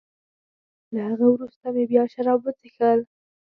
له هغه وروسته مې بیا شراب وڅېښل.